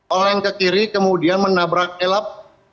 orang yang ke kiri kemudian menabrak elap